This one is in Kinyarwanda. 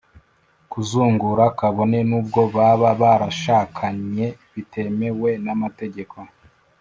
kuzungura, kabone n'ubwo baba barashakanye bitemewe n'amategeko